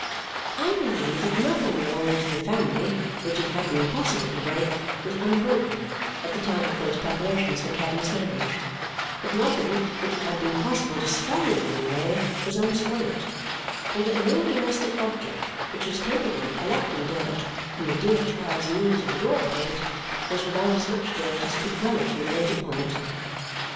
I believe that nothing belonging to the family which it had been possible to break was unbroken at the time of those preparations for Caddy's marriage, that nothing which it had been possible to spoil in any way was unspoilt, and that no domestic object which was capable of collecting dirt, from a dear child's knee to the door plate, was without as much dirt as could well accumulate upon it.